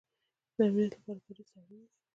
د امنیت لپاره پولیس اړین دی